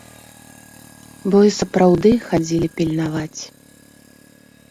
Бо і сапраўды хадзілі пільнаваць.